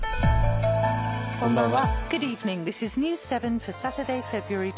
こんばんは。